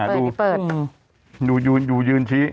อยู่ยื่นอยู่ยืนชี้